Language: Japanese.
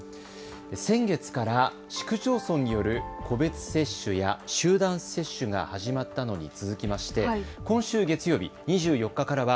先月から市区町村による個別接種や集団接種が始まったのに続きまして今週月曜日、２４日からは